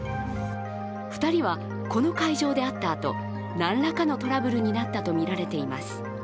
２人はこの会場で会ったあと、何らかのトラブルになったとみられています。